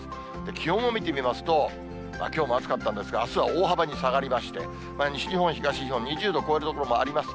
気温を見てみますと、きょうも暑かったんですが、あすは大幅に下がりまして、西日本、東日本、２０度を超える所もあります。